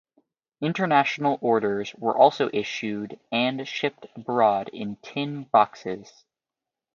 International orders were also issued and shipped abroad in tin boxes.